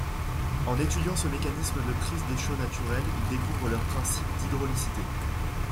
En étudiant ce mécanisme de prise des chaux naturelles il découvre leurs principes d'hydraulicité.